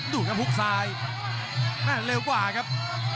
ดูครับฮุกซ้ายแม่เร็วกว่าครับ